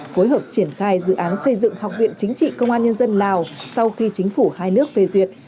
phối hợp triển khai dự án xây dựng học viện chính trị công an nhân dân lào sau khi chính phủ hai nước phê duyệt